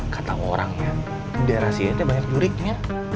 katanya orangnya biar rasinya banyak juriknya